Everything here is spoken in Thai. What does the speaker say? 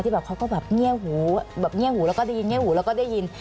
แบบเขาก็แบบเงียบหูแบบเงียบหูแล้วก็ได้ยินเงียบหูแล้วก็ได้ยิน